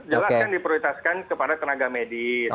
jelas kan diprioritaskan kepada tenaga medis